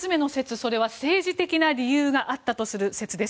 それは、政治的な理由があったとする説です。